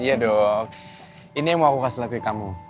iya dong ini yang mau aku kasih lagi ke kamu